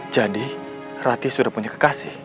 jadi rati sudah punya kekasih